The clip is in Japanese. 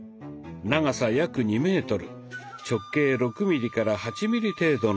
長さ約２メートル直径６ミリから８ミリ程度のものです。